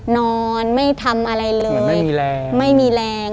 นอนไม่ทำอะไรเลยไม่มีแรง